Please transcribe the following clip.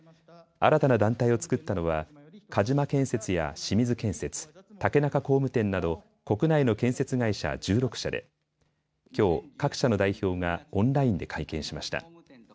新たな団体を作ったのは鹿島建設や清水建設、竹中工務店など国内の建設会社１６社できょう各社の代表がオンラインで会見しました。